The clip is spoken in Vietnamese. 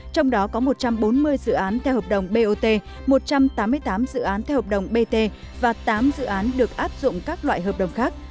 trong đó có một trăm bốn mươi dự án theo hợp đồng bot một trăm tám mươi tám dự án theo hợp đồng bt và tám dự án được áp dụng các loại hợp đồng khác